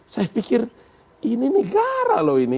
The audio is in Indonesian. saya pikir ini negara loh ini